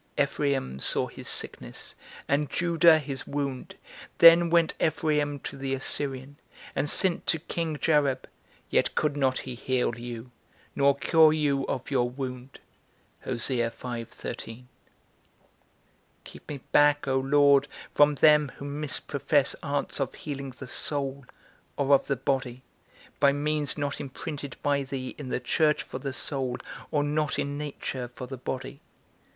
_Ephraim saw his sickness, and Judah his wound; then went Ephraim to the Assyrian, and sent to King Jareb, yet could not he heal you, nor cure you of your wound._ Keep me back, O Lord, from them who misprofess arts of healing the soul, or of the body, by means not imprinted by thee in the church for the soul, or not in nature for the body.